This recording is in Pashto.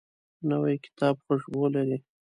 نوی کتاب خوشبو لري